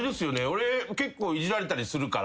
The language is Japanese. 俺結構いじられたりするから。